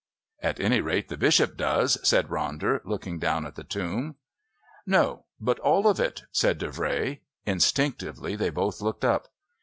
"At any rate the Bishop does," said Ronder, looking down at the tomb. "No, but all of it," said Davray. Instinctively they both looked up.